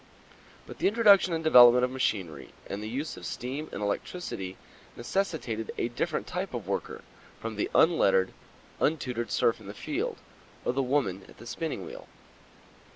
But the introduction and development of machinery and the use of steam and electricity necessitated a different type of worker from the unlettered, untutored serf in the field or the woman at the spinning wheel.